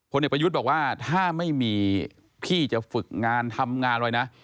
เด็กประยุทธ์บอกว่าถ้าไม่มีพี่จะฝึกงานทำงานไว้นะ